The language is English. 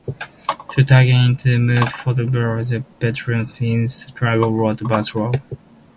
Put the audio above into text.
To get into mood for Barbara's bedroom scene, Sturges wore a bathrobe.